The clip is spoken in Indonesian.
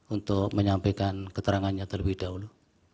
untuk menyampaikan keterangannya terlebih dahulu